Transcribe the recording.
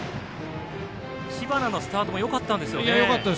知花のスタートもよかったですよね。